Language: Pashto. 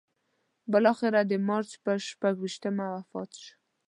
بالاخره د مارچ پر شپږویشتمه وفات شو.